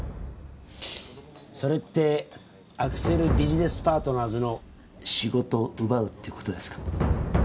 それってアクセル・ビジネスパートナーズの仕事を奪うってことですか？